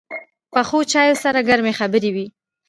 پخو چایو سره ګرمې خبرې وي